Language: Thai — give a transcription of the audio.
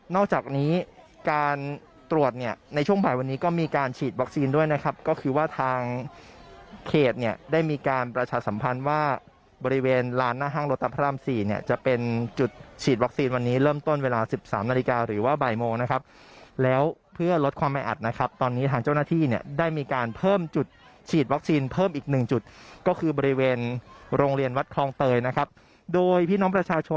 นอกจากนี้การตรวจเนี่ยในช่วงภายวันนี้ก็มีการฉีดวัคซีนด้วยนะครับก็คือว่าทางเขตเนี่ยได้มีการประชาสัมพันธ์ว่าบริเวณร้านหน้าห้างรถทางพระร่ำสี่เนี่ยจะเป็นจุดฉีดวัคซีนวันนี้เริ่มต้นเวลาสิบสามนาฬิกาหรือว่าบ่ายโมงนะครับแล้วเพื่อลดความไม่อัดนะครับตอนนี้ทางเจ้าหน้าที่เนี่ยได้ม